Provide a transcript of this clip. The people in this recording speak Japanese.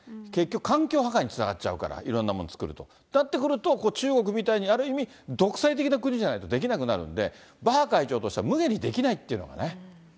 結局、環境破壊につながっちゃうから、いろんなもの作ると。となってくると、中国みたいに、ある意味、独裁的な国じゃないとできなくなるんで、バッハ会長としてはむげにできないっていうのがね。